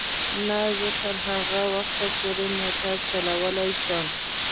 نه، زه تر هغه وخته پورې موټر چلولای شم.